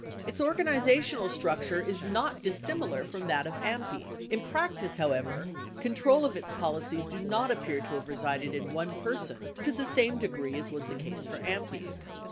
Its organizational structure is not dissimilar from that of AMPI ; in practice, however, control of its policies do not appear to have resided in one person to the same degree as was the case for AMPI.